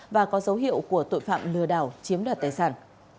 và có dấu hiệu của tội phạm lừa đảo chiếm đoạt tài sản